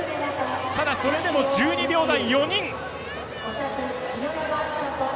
ただ、それでも１２秒台が４人。